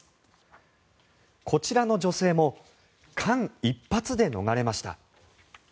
こちらの女性も間一髪で逃れました。